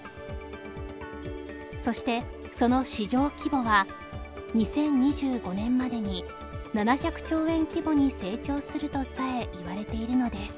そしてその市場規模は２０２５年までに７００兆円規模に成長するとさえいわれているのです